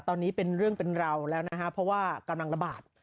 ตอนนี้เป็นเรื่องเป็นราวแล้วนะฮะเพราะว่ากำลังระบาด